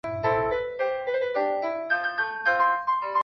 大城堡是马来西亚吉隆坡首都南部的一个市镇。